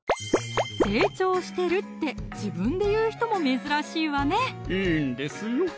「成長してる」って自分で言う人も珍しいわねいいんですよ